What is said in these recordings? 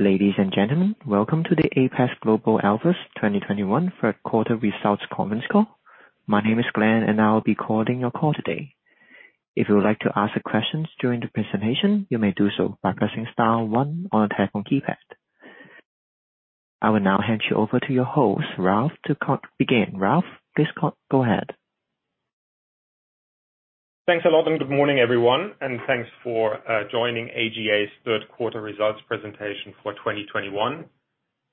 Ladies and gentlemen, welcome to the Apax Global Alpha's 2021 third quarter results conference call. My name is Glenn, and I will be hosting the call today. If you would like to ask questions during the presentation, you may do so by pressing star one on your telephone keypad. I will now hand you over to your host, Ralf, to begin. Ralf, please go ahead. Thanks a lot, and good morning, everyone, and thanks for joining AGA's third quarter results presentation for 2021.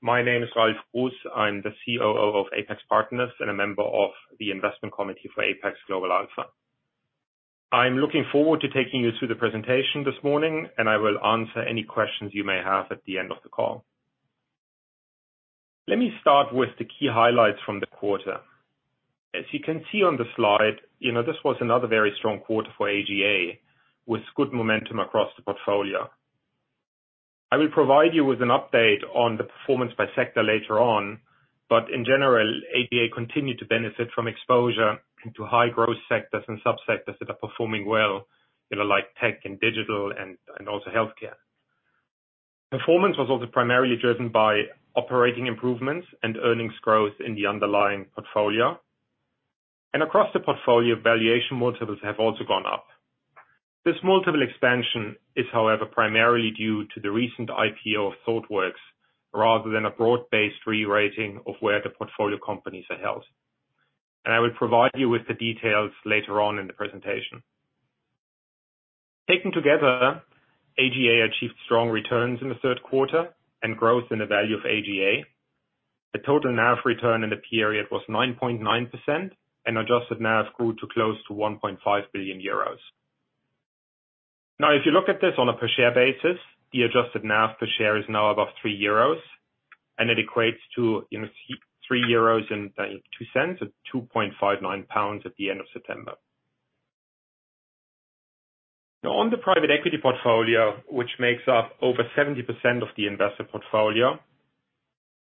My name is Ralf Gruss. I'm the COO of Apax Partners and a member of the investment committee for Apax Global Alpha. I'm looking forward to taking you through the presentation this morning, and I will answer any questions you may have at the end of the call. Let me start with the key highlights from the quarter. As you can see on the slide, you know, this was another very strong quarter for AGA with good momentum across the portfolio. I will provide you with an update on the performance by sector later on, but in general, AGA continued to benefit from exposure into high growth sectors and subsectors that are performing well, you know, like tech and digital and also healthcare. Performance was also primarily driven by operating improvements and earnings growth in the underlying portfolio. Across the portfolio, valuation multiples have also gone up. This multiple expansion is, however, primarily due to the recent IPO of Thoughtworks rather than a broad-based rerating of where the portfolio companies are held. I will provide you with the details later on in the presentation. Taken together, AGA achieved strong returns in the third quarter and growth in the value of AGA. The total NAV return in the period was 9.9%, and adjusted NAV grew to close to 1.5 billion euros. Now, if you look at this on a per share basis, the adjusted NAV per share is now above 3 euros, and it equates to, you know, 3.02 euros at 2.59 pounds at the end of September. Now on the private equity portfolio, which makes up over 70% of the investment portfolio,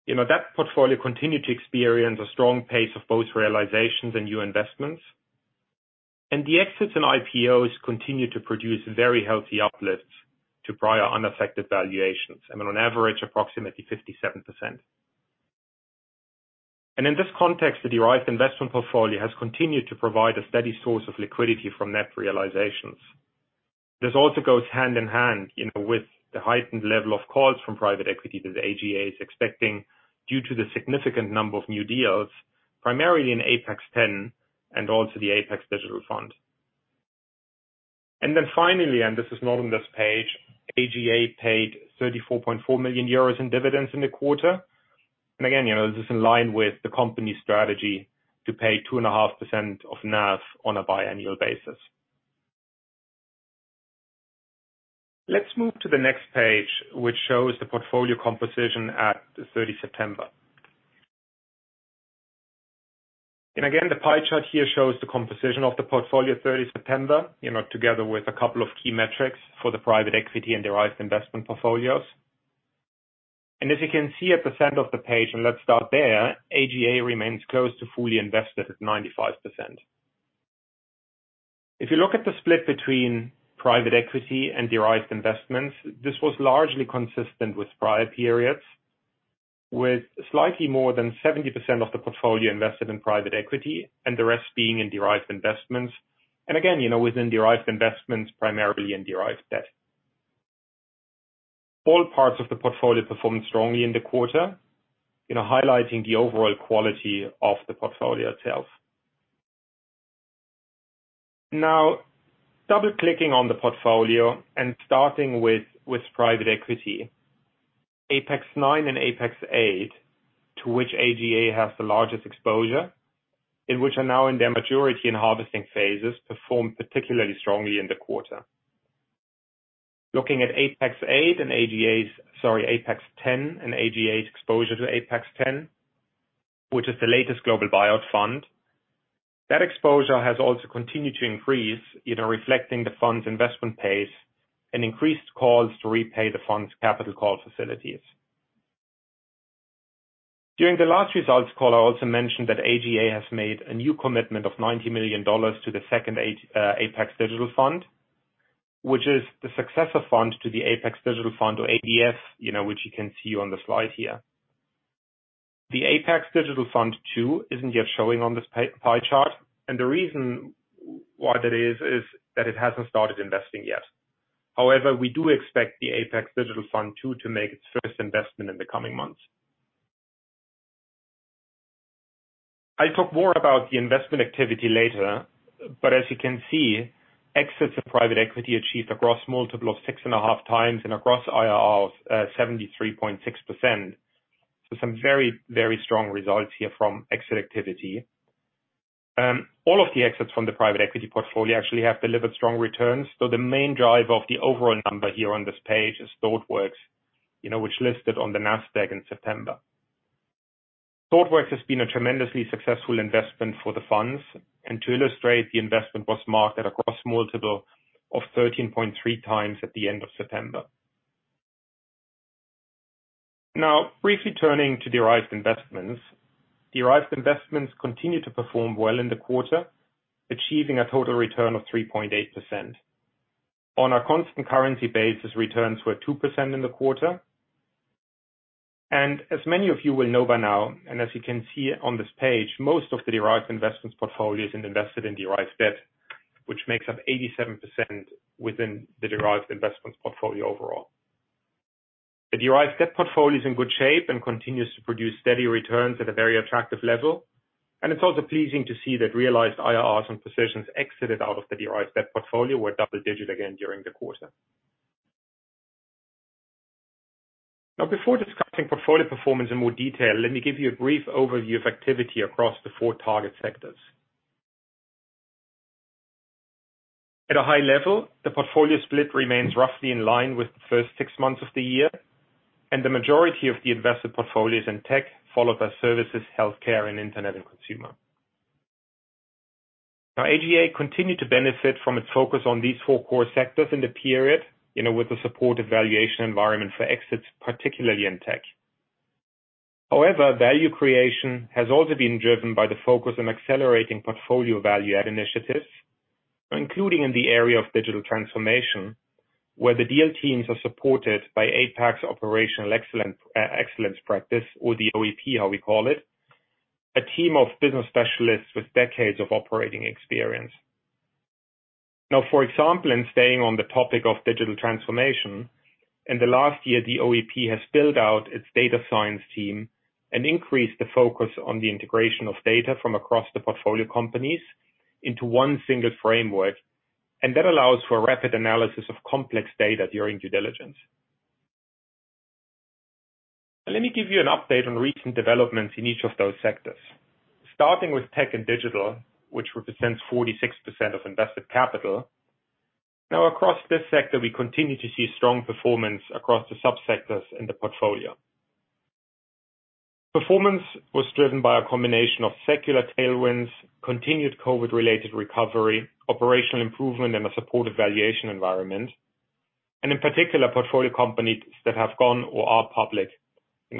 you know, that portfolio continued to experience a strong pace of both realizations and new investments. The exits and IPOs continue to produce very healthy uplifts to prior unaffected valuations, and on average, approximately 57%. In this context, the Derived Investments portfolio has continued to provide a steady source of liquidity from net realizations. This also goes hand in hand, with the heightened level of calls from private equity that AGA is expecting due to the significant number of new deals, primarily in Apax X and also the Apax Digital Fund. Then finally, and this is not on this page, AGA paid 34.4 million euros in dividends in the quarter. Again, you know, this is in line with the company's strategy to pay 2.5% of NAV on a biannual basis. Let's move to the next page, which shows the portfolio composition at 30 September. Again, the pie chart here shows the composition of the portfolio 30 September, you know, together with a couple of key metrics for the private equity and Derived Investments portfolios. As you can see at the center of the page, and let's start there, AGA remains close to fully invested at 95%. If you look at the split between private equity and Derived Investments, this was largely consistent with prior periods, with slightly more than 70% of the portfolio invested in private equity and the rest being in Derived Investments. Again, you know, within Derived Investments, primarily in Derived Debt. All parts of the portfolio performed strongly in the quarter, you know, highlighting the overall quality of the portfolio itself. Now, double-clicking on the portfolio and starting with private equity, Apax IX and Apax VIII, to which AGA has the largest exposure, and which are now in their maturity and harvesting phases, performed particularly strongly in the quarter. Looking at Apax X and AGA's exposure to Apax X, which is the latest global buyout fund. That exposure has also continued to increase, you know, reflecting the fund's investment pace and increased calls to repay the fund's capital call facilities. During the last results call, I also mentioned that AGA has made a new commitment of $90 million to the second Apax Digital Fund, which is the successor fund to the Apax Digital Fund or ADF, you know, which you can see on the slide here. The Apax Digital Fund II isn't yet showing on this pie chart, and the reason why that is that it hasn't started investing yet. However, we do expect the Apax Digital Fund II to make its first investment in the coming months. I'll talk more about the investment activity later, but as you can see, exits of private equity achieved a gross multiple of 6.5x and a gross IRR of 73.6%. Some very, very strong results here from exit activity. All of the exits from the private equity portfolio actually have delivered strong returns, though the main driver of the overall number here on this page is Thoughtworks, you know, which listed on the Nasdaq in September. Thoughtworks has been a tremendously successful investment for the funds, and to illustrate, the investment was marked at a gross multiple of 13.3x at the end of September. Now briefly turning to Derived Investments. Derived Investments continued to perform well in the quarter, achieving a total return of 3.8%. On a constant currency basis, returns were 2% in the quarter, and as many of you will know by now, and as you can see on this page, most of the Derived Investments portfolios is invested in Derived Debt, which makes up 87% within the Derived Investments portfolio overall. The Derived Debt portfolio is in good shape and continues to produce steady returns at a very attractive level, and it's also pleasing to see that realized IRRs on positions exited out of the Derived Debt portfolio were double-digit again during the quarter. Now before discussing portfolio performance in more detail, let me give you a brief overview of activity across the four target sectors. At a high level, the portfolio split remains roughly in line with the first six months of the year, and the majority of the invested portfolio is in tech, followed by services, healthcare, and internet, and consumer. Now AGA continued to benefit from its focus on these four core sectors in the period, you know, with the supportive valuation environment for exits, particularly in tech. However, value creation has also been driven by the focus on accelerating portfolio value add initiatives, including in the area of digital transformation, where the deal teams are supported by Apax Operational Excellence practice or the OEP, how we call it, a team of business specialists with decades of operating experience. Now, for example, in staying on the topic of digital transformation, in the last year, the OEP has built out its data science team and increased the focus on the integration of data from across the portfolio companies into one single framework. That allows for a rapid analysis of complex data during due diligence. Let me give you an update on recent developments in each of those sectors. Starting with tech and digital, which represents 46% of invested capital. Now across this sector, we continue to see strong performance across the subsectors in the portfolio. Performance was driven by a combination of secular tailwinds, continued COVID-related recovery, operational improvement, and a supportive valuation environment, and in particular, portfolio companies that have gone or are public,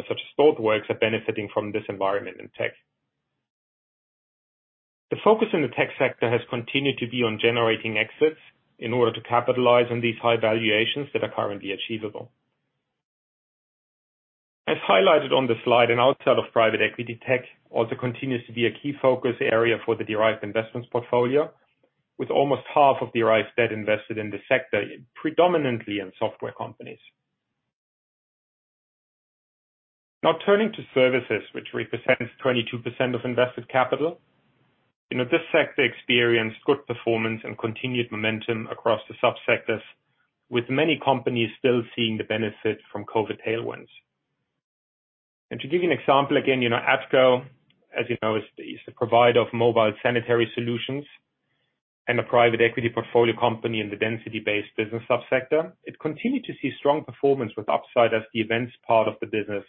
such as Thoughtworks, are benefiting from this environment in tech. The focus in the tech sector has continued to be on generating exits in order to capitalize on these high valuations that are currently achievable. As highlighted on the slide and outside of private equity, tech also continues to be a key focus area for the Derived Investments portfolio, with almost half of Derived Debt invested in the sector, predominantly in software companies. Now turning to services, which represents 22% of invested capital. You know, this sector experienced good performance and continued momentum across the subsectors, with many companies still seeing the benefit from COVID tailwinds. To give you an example, again, you know, ADCO, as you know, is the provider of mobile sanitary solutions and a private equity portfolio company in the density-based business subsector. It continued to see strong performance with upside as the events part of the business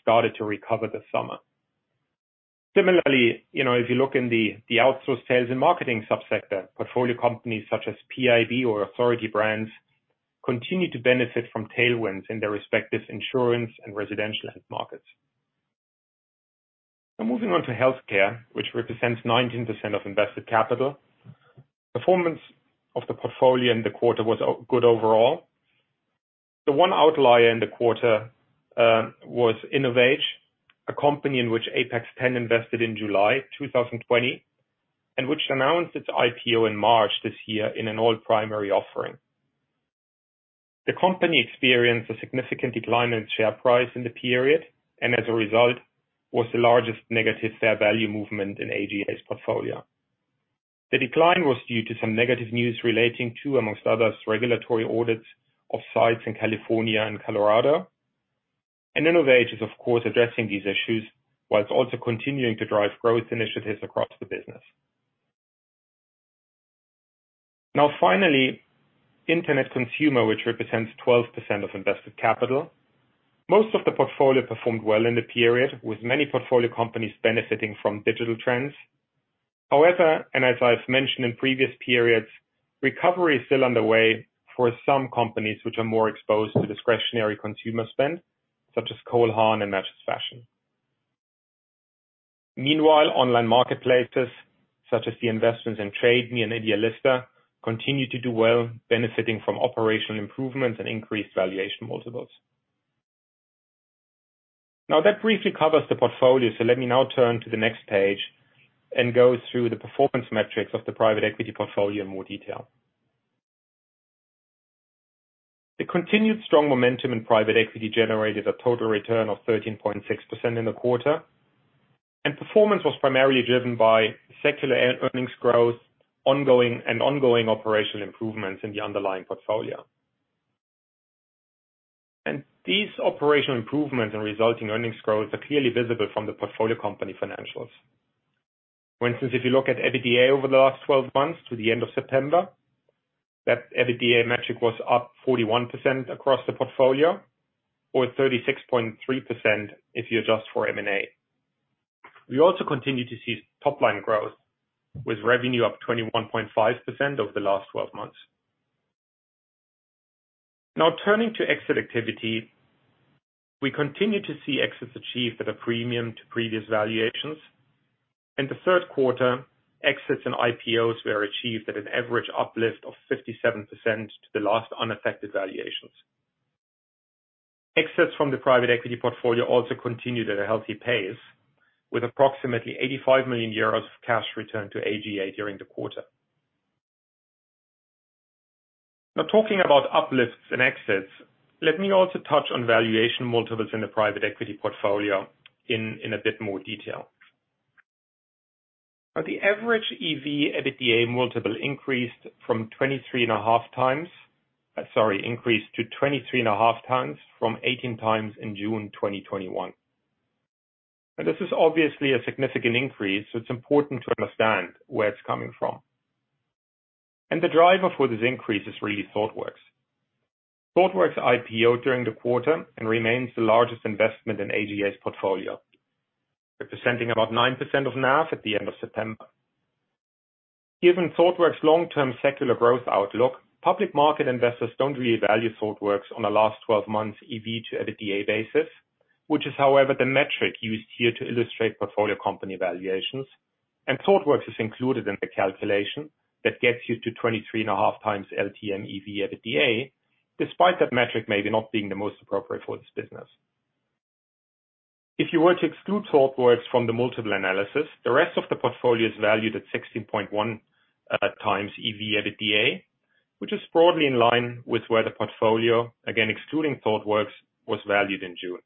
started to recover this summer. Similarly, you know, if you look in the outsource sales and marketing subsector, portfolio companies such as PIB or Authority Brands continue to benefit from tailwinds in their respective insurance and residential end markets. Now moving on to healthcare, which represents 19% of invested capital. Performance of the portfolio in the quarter was good overall. The one outlier in the quarter was InnovAge, a company in which Apax X invested in July 2020, and which announced its IPO in March this year in an all primary offering. The company experienced a significant decline in share price in the period, and as a result, was the largest negative share value movement in AGA's portfolio. The decline was due to some negative news relating to, among others, regulatory audits of sites in California and Colorado. InnovAge is of course addressing these issues while it's also continuing to drive growth initiatives across the business. Now finally, Internet Consumer, which represents 12% of invested capital. Most of the portfolio performed well in the period, with many portfolio companies benefiting from digital trends. However, and as I've mentioned in previous periods, recovery is still underway for some companies which are more exposed to discretionary consumer spend, such as Cole Haan and MatchesFashion. Meanwhile, online marketplaces such as the investments in Trade Me and idealista continue to do well, benefiting from operational improvements and increased valuation multiples. Now that briefly covers the portfolio. Let me now turn to the next page and go through the performance metrics of the private equity portfolio in more detail. The continued strong momentum in private equity generated a total return of 13.6% in the quarter. Performance was primarily driven by secular and earnings growth and ongoing operational improvements in the underlying portfolio. These operational improvements and resulting earnings growth are clearly visible from the portfolio company financials. For instance, if you look at EBITDA over the last 12 months to the end of September, that EBITDA metric was up 41% across the portfolio or 36.3% if you adjust for M&A. We also continue to see top-line growth with revenue up 21.5% over the last 12 months. Now turning to exit activity, we continue to see exits achieved at a premium to previous valuations. In the third quarter, exits and IPOs were achieved at an average uplift of 57% to the last unaffected valuations. Exits from the private equity portfolio also continued at a healthy pace, with approximately 85 million euros of cash returned to AGA during the quarter. Now talking about uplifts and exits, let me also touch on valuation multiples in the private equity portfolio in a bit more detail. Now the average EV/EBITDA multiple increased to 23.5x from 18x in June 2021. This is obviously a significant increase, so it is important to understand where it is coming from. The driver for this increase is really Thoughtworks. Thoughtworks IPO during the quarter and remains the largest investment in AGA's portfolio, representing about 9% of NAV at the end of September. Given Thoughtworks' long-term secular growth outlook, public market investors don't really value Thoughtworks on a last twelve months EV/EBITDA basis, which is, however, the metric used here to illustrate portfolio company valuations. Thoughtworks is included in the calculation that gets you to 23.5x LTM EV/EBITDA, despite that metric maybe not being the most appropriate for this business. If you were to exclude Thoughtworks from the multiple analysis, the rest of the portfolio is valued at 16.1x EV/EBITDA, which is broadly in line with where the portfolio, again, excluding Thoughtworks, was valued in June.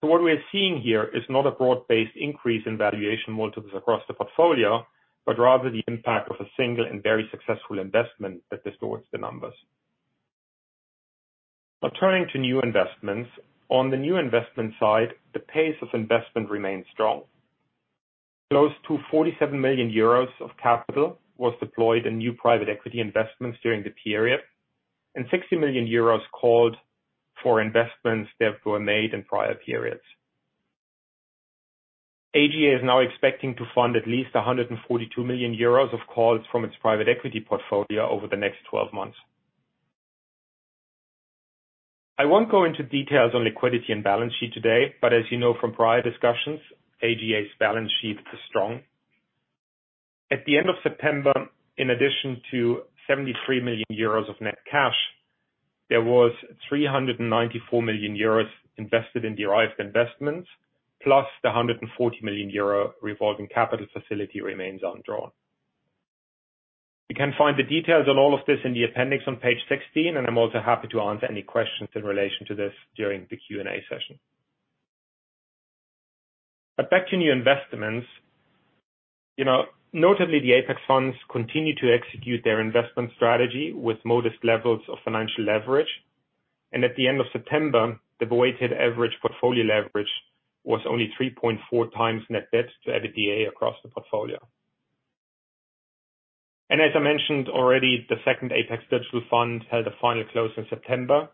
What we're seeing here is not a broad-based increase in valuation multiples across the portfolio, but rather the impact of a single and very successful investment that distorts the numbers. Now turning to new investments. On the new investment side, the pace of investment remains strong. Close to 47 million euros of capital was deployed in new private equity investments during the period, and 60 million euros called for investments that were made in prior periods. AGA is now expecting to fund at least 142 million euros of calls from its private equity portfolio over the next 12 months. I won't go into details on liquidity and balance sheet today, but as you know from prior discussions, AGA's balance sheet is strong. At the end of September, in addition to 73 million euros of net cash, there was 394 million euros invested in Derived Investments, plus the 140 million euro revolving capital facility remains undrawn. You can find the details on all of this in the appendix on page 16, and I'm also happy to answer any questions in relation to this during the Q&A session. Back to new investments. You know, notably, the Apax funds continue to execute their investment strategy with modest levels of financial leverage. At the end of September, the weighted average portfolio leverage was only 3.4x net debt to EBITDA across the portfolio. As I mentioned already, the second Apax Digital Fund had a final close in September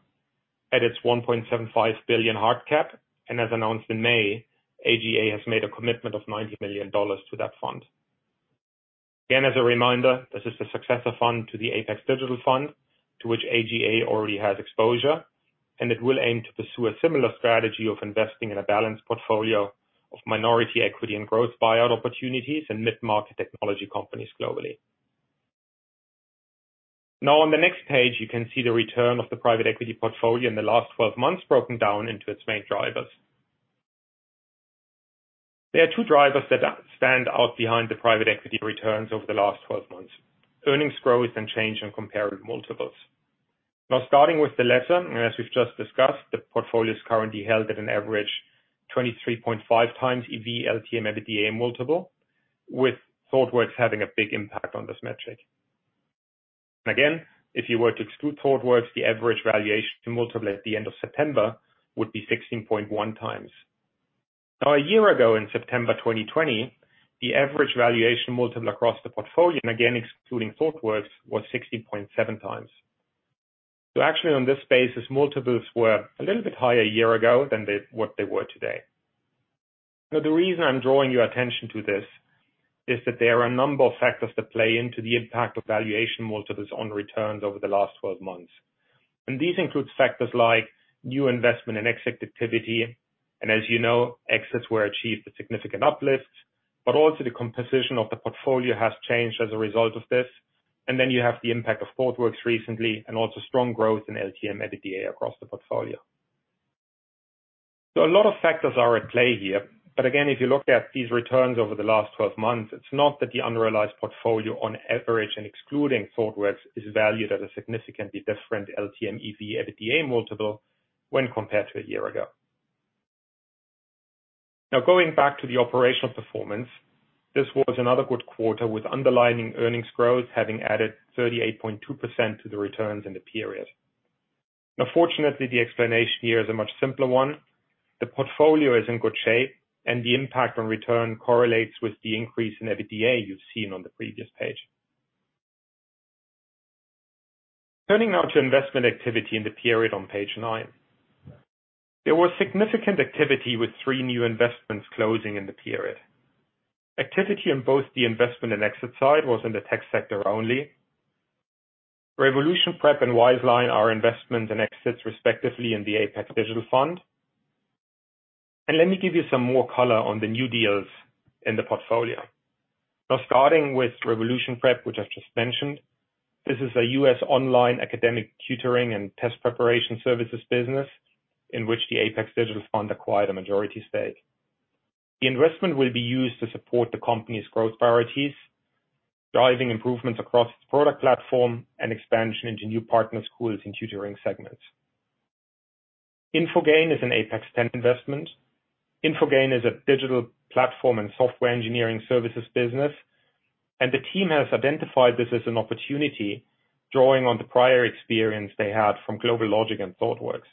at its $1.75 billion hard cap, and as announced in May, AGA has made a commitment of $90 million to that fund. Again, as a reminder, this is the successor fund to the Apax Digital Fund, to which AGA already has exposure, and it will aim to pursue a similar strategy of investing in a balanced portfolio of minority equity and growth buyout opportunities in mid-market technology companies globally. Now on the next page, you can see the return of the private equity portfolio in the last 12 months, broken down into its main drivers. There are two drivers that stand out behind the private equity returns over the last 12 months, earnings growth and change in comparable multiples. Starting with the latter, as we've just discussed, the portfolio is currently held at an average 23.5x EV/LTM EBITDA multiple, with Thoughtworks having a big impact on this metric. Again, if you were to exclude Thoughtworks, the average valuation multiple at the end of September would be 16.1x. Now, a year ago in September 2020, the average valuation multiple across the portfolio, and again excluding Thoughtworks, was 16.7x. Actually on this basis, multiples were a little bit higher a year ago than what they were today. The reason I'm drawing your attention to this is that there are a number of factors that play into the impact of valuation multiples on returns over the last 12 months. These include factors like new investment and exit activity, and as you know, exits were achieved with significant uplifts, but also the composition of the portfolio has changed as a result of this. You have the impact of Thoughtworks recently and also strong growth in LTM/EBITDA across the portfolio. A lot of factors are at play here. Again, if you look at these returns over the last 12 months, it's not that the unrealized portfolio on average and excluding Thoughtworks is valued at a significantly different LTM EV/EBITDA multiple when compared to a year ago. Now going back to the operational performance, this was another good quarter with underlying earnings growth having added 38.2% to the returns in the period. Now fortunately, the explanation here is a much simpler one. The portfolio is in good shape, and the impact on return correlates with the increase in EBITDA you've seen on the previous page. Turning now to investment activity in the period on page nine. There was significant activity with three new investments closing in the period. Activity in both the investment and exit side was in the tech sector only. Revolution Prep and Wizeline are investments and exits respectively in the Apax Digital Fund. Let me give you some more color on the new deals in the portfolio. Now, starting with Revolution Prep, which I've just mentioned, this is a U.S. online academic tutoring and test preparation services business in which the Apax Digital Fund acquired a majority stake. The investment will be used to support the company's growth priorities, driving improvements across its product platform and expansion into new partner schools and tutoring segments. Infogain is an Apax X investment. Infogain is a digital platform and software engineering services business, and the team has identified this as an opportunity, drawing on the prior experience they had from GlobalLogic and Thoughtworks.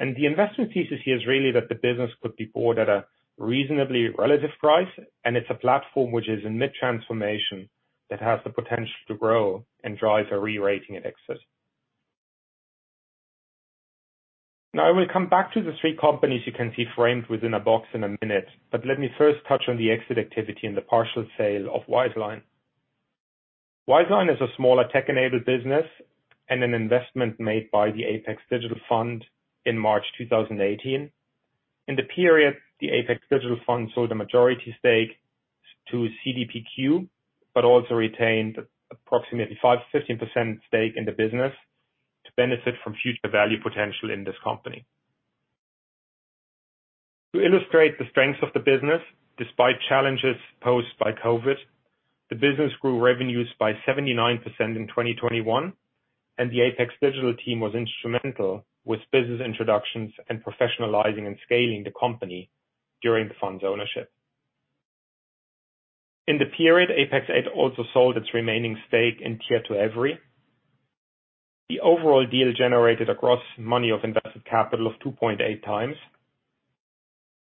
The investment thesis here is really that the business could be bought at a reasonably relative price, and it's a platform which is in mid-transformation that has the potential to grow and drive a re-rating at exit. Now, I will come back to the three companies you can see framed within a box in a minute, but let me first touch on the exit activity in the partial sale of Wizeline. Wizeline is a smaller tech-enabled business and an investment made by the Apax Digital Fund in March 2018. In the period, the Apax Digital Fund sold a majority stake to CDPQ, but also retained approximately 5%-15% stake in the business to benefit from future value potential in this company. To illustrate the strength of the business, despite challenges posed by COVID, the business grew revenues by 79% in 2021, and the Apax Digital team was instrumental with business introductions and professionalizing and scaling the company during the fund's ownership. In the period, Apax VIII also sold its remaining stake in Tietoevry. The overall deal generated a gross multiple of invested capital of 2.8x.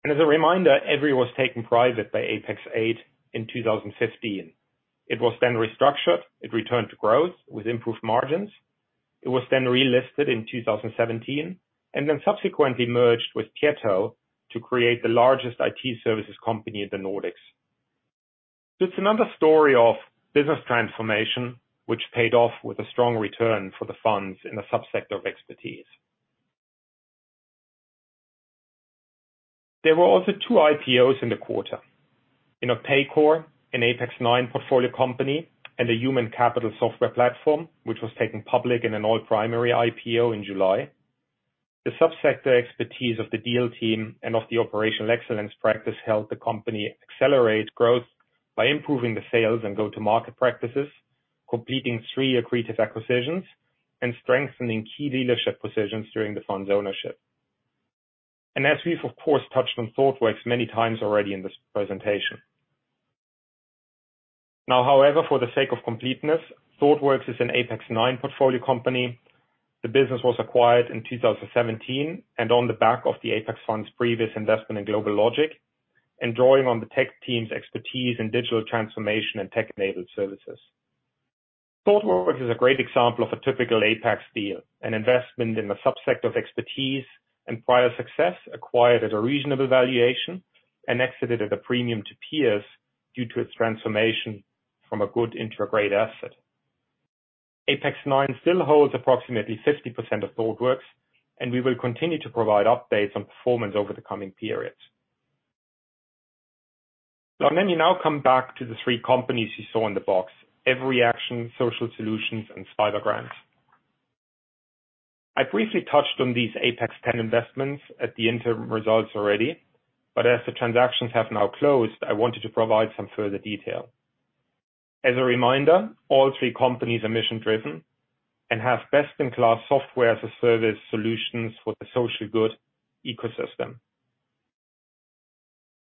As a reminder, EVRY was taken private by Apax VIII in 2015. It was then restructured. It returned to growth with improved margins. It was then relisted in 2017, and then subsequently merged with Tieto to create the largest IT services company in the Nordics. It's another story of business transformation, which paid off with a strong return for the funds in a sub-sector of expertise. There were also two IPOs in the quarter. In Paycor, an Apax IX portfolio company and a human capital software platform, which was taken public in an all-primary IPO in July. The sub-sector expertise of the deal team and of the operational excellence practice helped the company accelerate growth by improving the sales and go-to-market practices, completing three accretive acquisitions, and strengthening key leadership positions during the fund's ownership. As we've of course, touched on Thoughtworks many times already in this presentation. Now, however, for the sake of completeness, Thoughtworks is an Apax IX portfolio company. The business was acquired in 2017, on the back of the Apax Fund's previous investment in GlobalLogic and drawing on the tech team's expertise in digital transformation and tech-enabled services. Thoughtworks is a great example of a typical Apax deal, an investment in the subsector of expertise and prior success acquired at a reasonable valuation and exited at a premium to peers due to its transformation from a good into a great asset. Apax IX still holds approximately 50% of Thoughtworks, and we will continue to provide updates on performance over the coming periods. Let me now come back to the three companies you saw in the box, EveryAction, Social Solutions, and CyberGrants. I briefly touched on these Apax X investments at the interim results already, but as the transactions have now closed, I wanted to provide some further detail. As a reminder, all three companies are mission-driven and have best-in-class software as a service solutions for the social good ecosystem.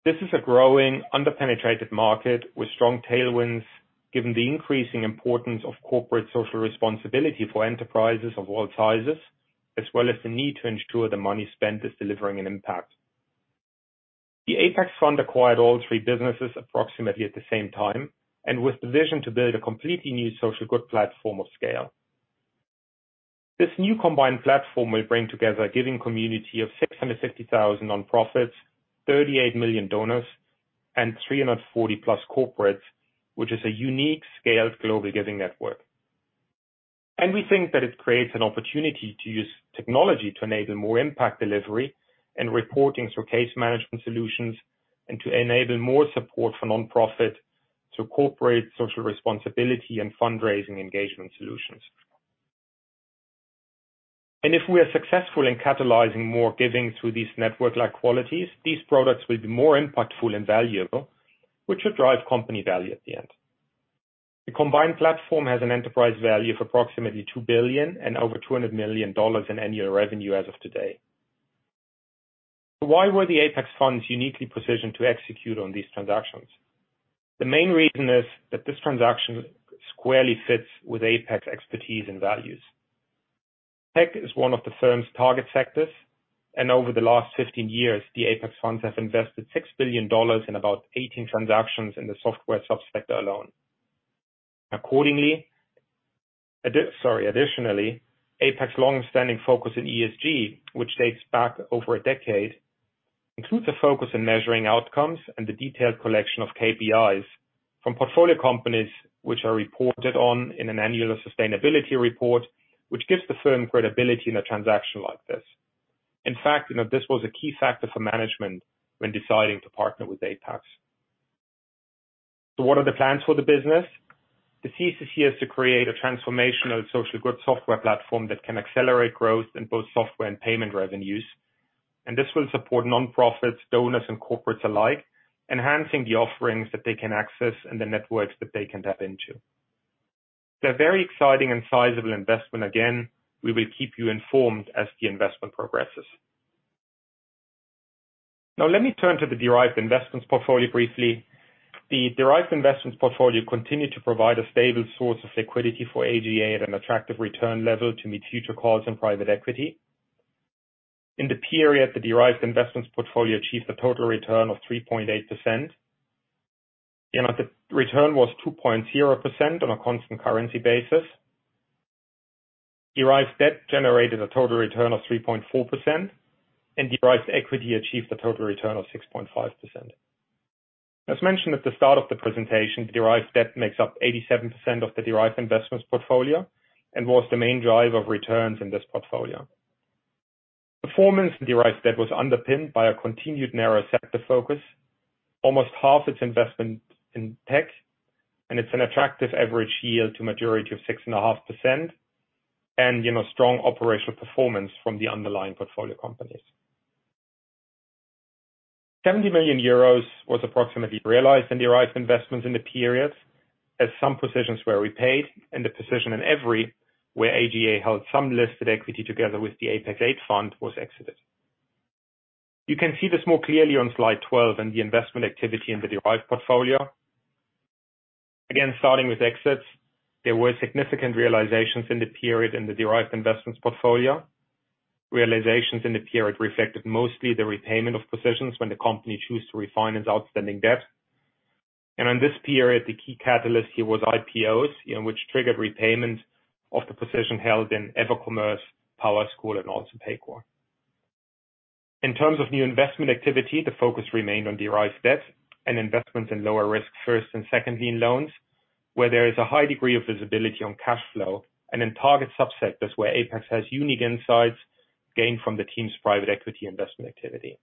This is a growing under-penetrated market with strong tailwinds, given the increasing importance of corporate social responsibility for enterprises of all sizes, as well as the need to ensure the money spent is delivering an impact. The Apax Fund acquired all three businesses approximately at the same time and with the vision to build a completely new social good platform of scale. This new combined platform will bring together a giving community of 650,000 nonprofits, 38 million donors, and 340+ corporates, which is a unique scaled global giving network. We think that it creates an opportunity to use technology to enable more impact delivery and reporting through case management solutions, and to enable more support for nonprofit to corporate social responsibility and fundraising engagement solutions. If we are successful in catalyzing more giving through these network-like qualities, these products will be more impactful and valuable, which should drive company value at the end. The combined platform has an enterprise value of approximately $2 billion and over $200 million in annual revenue as of today. Why were the Apax funds uniquely positioned to execute on these transactions? The main reason is that this transaction squarely fits with Apax expertise and values. Tech is one of the firm's target sectors, and over the last 15 years, the Apax Funds have invested $6 billion in about 18 transactions in the software subsector alone. Accordingly, additionally, Apax longstanding focus in ESG, which dates back over a decade, includes a focus in measuring outcomes and the detailed collection of KPIs from portfolio companies which are reported on in an annual sustainability report, which gives the firm credibility in a transaction like this. In fact, you know, this was a key factor for management when deciding to partner with Apax. What are the plans for the business? The thesis here is to create a transformational social good software platform that can accelerate growth in both software and payment revenues. This will support nonprofits, donors, and corporates alike, enhancing the offerings that they can access and the networks that they can tap into. It's a very exciting and sizable investment again. We will keep you informed as the investment progresses. Now let me turn to the Derived Investments portfolio briefly. The Derived Investments portfolio continued to provide a stable source of liquidity for AGA at an attractive return level to meet future calls in private equity. In the period, the Derived Investments portfolio achieved a total return of 3.8%, and the return was 2.0% on a constant currency basis. Derived Debt generated a total return of 3.4%, and Derived Equity achieved a total return of 6.5%. As mentioned at the start of the presentation, Derived Debt makes up 87% of the Derived Investments portfolio and was the main driver of returns in this portfolio. Performance in Derived Debt was underpinned by a continued narrow sector focus, almost half its investment in tech, and it's an attractive average yield to maturity of 6.5%, and, you know, strong operational performance from the underlying portfolio companies. 70 million euros was approximately realized in Derived Investments in the period, as some positions were repaid and the position in EVRY, where AGA held some listed equity together with the Apax VIII fund was exited. You can see this more clearly on slide 12 in the investment activity in the derived portfolio. Again, starting with exits, there were significant realizations in the period in the Derived Investments portfolio. Realizations in the period reflected mostly the repayment of positions when the company chose to refinance outstanding debt. In this period, the key catalyst here was IPOs, you know, which triggered repayment of the position held in EverCommerce, PowerSchool, and also Paycor. In terms of new investment activity, the focus remained on Derived Debt and investments in lower risk first and second lien loans, where there is a high degree of visibility on cash flow, and in target subsectors where Apax has unique insights gained from the team's private equity investment activity.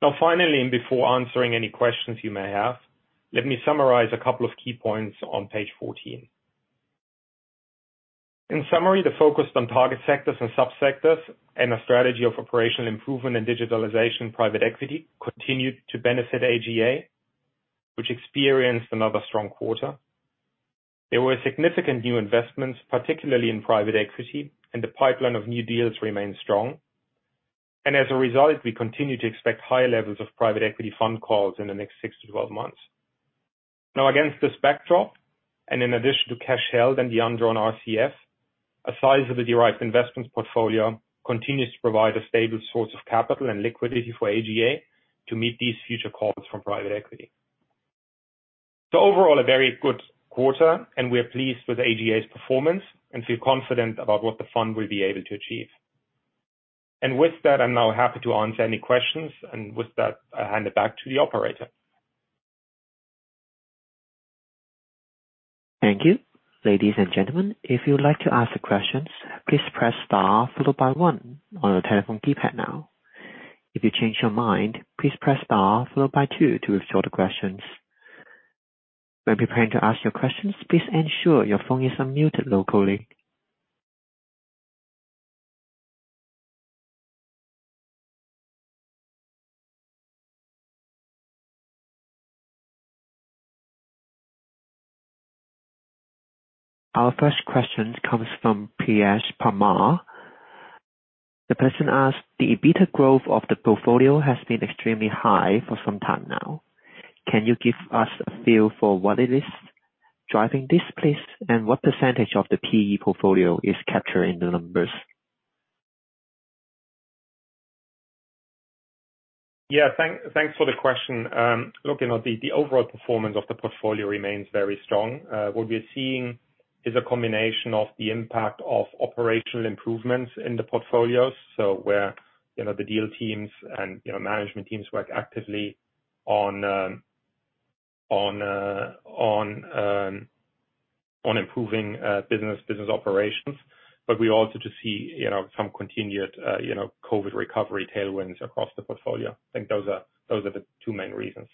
Now finally, and before answering any questions you may have, let me summarize a couple of key points on page 14. In summary, the focus on target sectors and subsectors and a strategy of operational improvement in digitalization private equity continued to benefit AGA, which experienced another strong quarter. There were significant new investments, particularly in private equity, and the pipeline of new deals remains strong. As a result, we continue to expect higher levels of private equity fund calls in the next 6-12 months. Now against this backdrop, and in addition to cash held and the undrawn RCF, a size of the Derived Investments portfolio continues to provide a stable source of capital and liquidity for AGA to meet these future calls from private equity. Overall, a very good quarter, and we're pleased with AGA's performance and feel confident about what the fund will be able to achieve. With that, I'm now happy to answer any questions, and with that, I hand it back to the operator. Thank you. Ladies and Gentlemen, if you'd like to ask questions please press star followed by one on the telephone keypad now. If you change your mind please press star followed by two to restore the questions. When it is time to ask your questions please ensure your phone is unmuted locally. Our first question comes from Priyesh Parmar. The person asks, the EBITDA growth of the portfolio has been extremely high for some time now. Can you give us a feel for what is driving this, please and what percentage of the PE portfolio is captured in the numbers? Thanks for the question. Look, you know, the overall performance of the portfolio remains very strong. What we're seeing is a combination of the impact of operational improvements in the portfolios. Where, you know, the deal teams and, you know, management teams work actively on improving business operations. But we also just see, you know, some continued COVID recovery tailwinds across the portfolio. I think those are the two main reasons.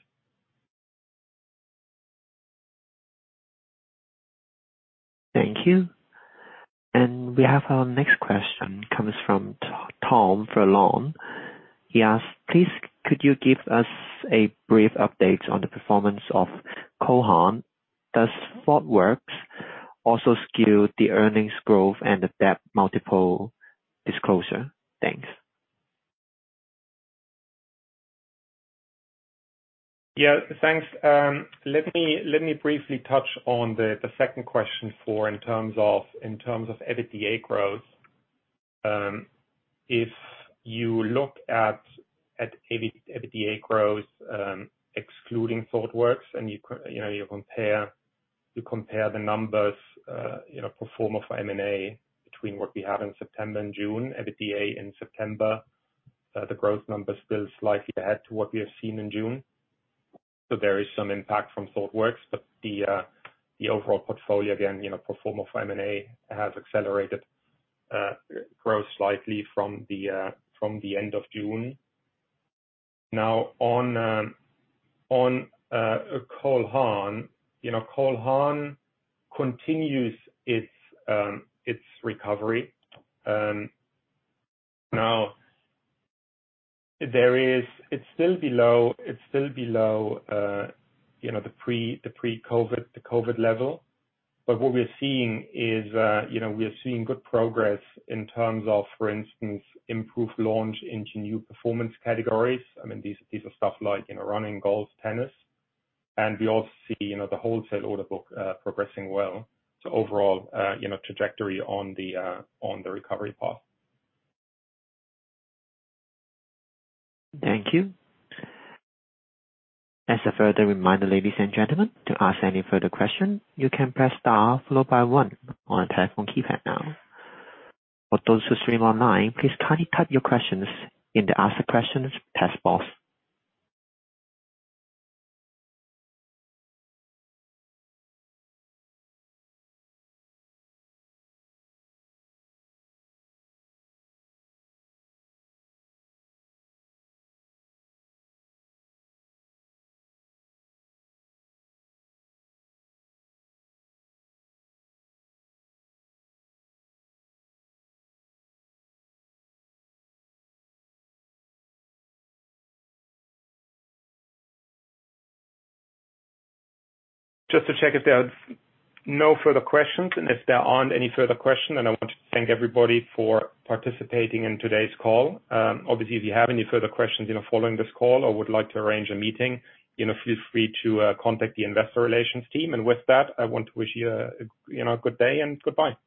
Thank you. We have our next question comes from Tom Furlong. He asks, please could you give us a brief update on the performance of Cohon? Does Thoughtworks also skew the earnings growth and the debt multiple disclosure? Thanks. Yeah, thanks. Let me briefly touch on the second question in terms of EBITDA growth. If you look at EBITDA growth, excluding Thoughtworks and you know, you compare the numbers, you know, pro forma for M&A between what we have in September and June, EBITDA in September, the growth number is still slightly ahead to what we have seen in June. There is some impact from Thoughtworks. The overall portfolio, again, you know, pro forma for M&A has accelerated growth slightly from the end of June. Now on Cole Haan, you know, Cole Haan continues its recovery. It's still below the pre-COVID level. What we're seeing is, you know, we are seeing good progress in terms of, for instance, improved launch into new performance categories. I mean, these are stuff like, you know, running, golf, tennis. We also see, you know, the wholesale order book progressing well. Overall, you know, trajectory on the recovery path. Thank you. As a further reminder, ladies and gentlemen, to ask any further question, you can press star followed by one on your telephone keypad now. For those who stream online, please kindly type your questions in the ask questions text box. Just to check if there's no further questions? If there aren't any further questions, then I want to thank everybody for participating in today's call. Obviously, if you have any further questions, you know, following this call or would like to arrange a meeting, you know, feel free to contact the investor relations team. With that, I want to wish you a, you know, a good day and goodbye.